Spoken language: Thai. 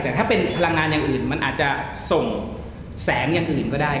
แต่ถ้าเป็นพลังงานอย่างอื่นมันอาจจะส่งแสงอย่างอื่นก็ได้